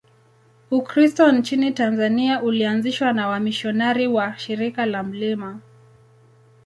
Ukristo nchini Tanzania ulianzishwa na wamisionari wa Shirika la Mt.